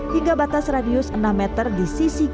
hingga batas radius enam meter di sisi kiri